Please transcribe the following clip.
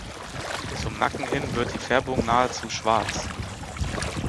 Zum Nacken hin wird die Färbung nahezu schwarz.